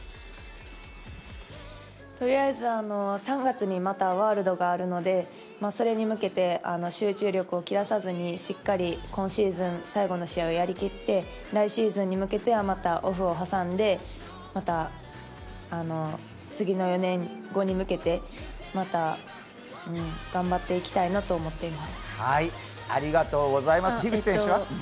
とりあえず３月にまたワールドがあるのでそれに向けて集中力を切らさずに、しっかり今シーズン最後の試合をやりきって来シーズンに向けてはまたオフを挟んでまた次の４年後に向けて頑張っていきたいと思っています。